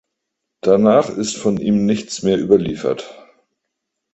Danach ist von ihm nichts mehr überliefert.